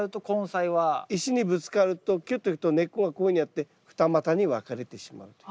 石にぶつかるとキュッと行くと根っこがこういうふうになって二股に分かれてしまうと。